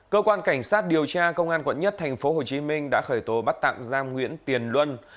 cơ quan cảnh sát điều tra công an quận nhất thành phố hồ chí minh đã khởi tố bắt tạm giam nguyễn tiền luân